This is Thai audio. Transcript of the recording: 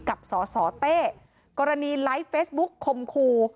กับสสเต้กรณีไลฟ์เฟซบุ๊กคมคู